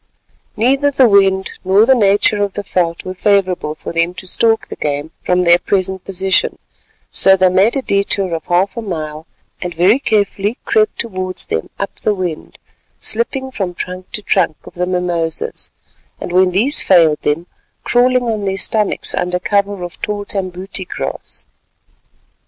Neither the wind nor the nature of the veldt were favourable for them to stalk the game from their present position, so they made a detour of half a mile and very carefully crept towards them up the wind, slipping from trunk to trunk of the mimosas and when these failed them, crawling on their stomachs under cover of the tall tambuti grass.